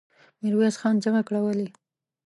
ميرويس خان چيغه کړه! ولې؟